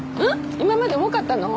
今まで重かったの？